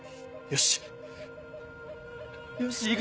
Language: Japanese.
よし。